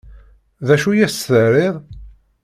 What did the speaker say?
D acu i as-terriḍ?